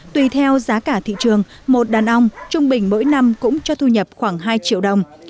tùy theo giá cả thị trường một đàn ong trung bình mỗi năm cũng cho thu nhập khoảng hai triệu đồng